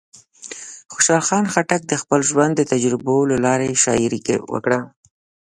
خوشحال خان خټک د خپل ژوند د تجربو له لارې شاعري وکړه.